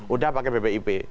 udah pakai bpip